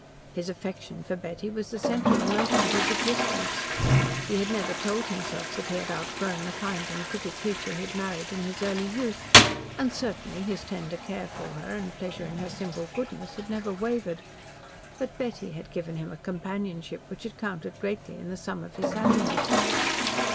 His affection for Betty was the central emotion of his existence. He had never told himself that he had outgrown the kind and pretty creature he had married in his early youth, and certainly his tender care for her and pleasure in her simple goodness had never wavered, but Betty had given him a companionship which had counted greatly in the sum of his happiness.